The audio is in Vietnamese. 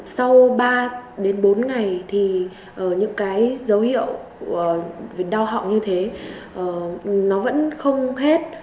sau ba bốn ngày những dấu hiệu đau họng như thế vẫn không hết